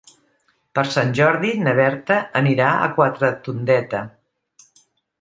Per Sant Jordi na Berta anirà a Quatretondeta.